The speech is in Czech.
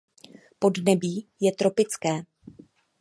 Podnebí je tropické.